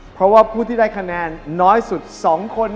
เพราะว่าผู้ที่ได้คะแนนน้อยสุด๒คน